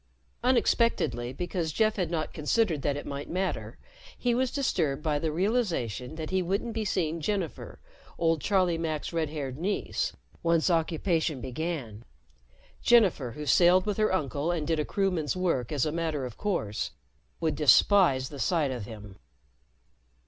Unexpectedly, because Jeff had not considered that it might matter, he was disturbed by the realization that he wouldn't be seeing Jennifer, old Charlie Mack's red haired niece, once occupation began. Jennifer, who sailed with her uncle and did a crewman's work as a matter of course, would despise the sight of him.